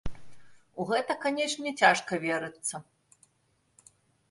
У гэта, канечне, цяжка верыцца.